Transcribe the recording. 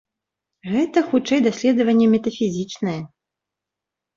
Гэта хутчэй даследаванне метафізічнае.